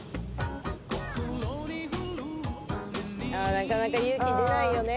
あなかなか勇気出ないよね